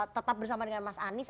tetap bersama dengan mas anies